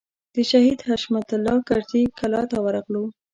د شهید حشمت الله کرزي کلا ته ورغلو.